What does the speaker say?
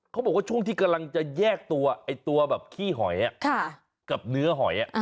เขาบอกว่าช่วงที่กำลังจะแยกตัวไอ้ตัวแบบขี้หอยกับเนื้อหอย